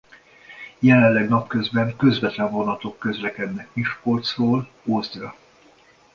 Jelenleg napközben közvetlen vonatok közlekednek Miskolcról Ózdra.